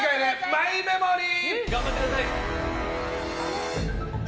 マイメモリー！